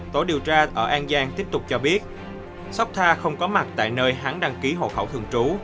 tổ điều tra ở an giang tiếp tục cho biết sóc tha không có mặt tại nơi hắn đăng ký hộ khẩu thường trú